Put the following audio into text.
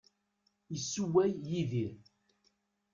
Issewway Yidir.